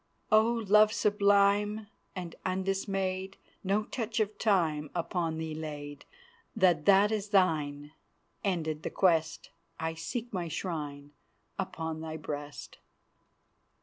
"O Love sublime And undismayed, No touch of Time Upon thee laid. Take that is thine; Ended the quest! I seek my shrine Upon thy breast."